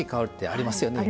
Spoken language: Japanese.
ありますね。